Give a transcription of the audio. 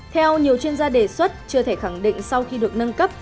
theo nhiều chuyên gia đề xuất chưa thể khẳng định sau khi được nâng cấp